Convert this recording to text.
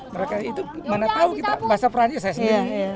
mereka itu mana tahu kita bahasa perancis saya sendiri